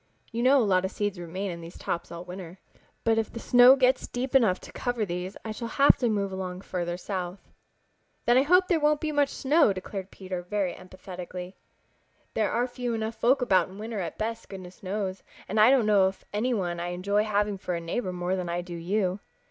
You know a lot of seeds remain in these tops all winter. But if the snow gets deep enough to cover these I shall have to move along farther south." "Then I hope there won't be much snow," declared Peter very emphatically. "There are few enough folks about in winter at best, goodness knows, and I don't know of any one I enjoy having for a neighbor more than I do you."